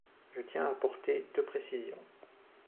Je tiens à apporter deux précisions.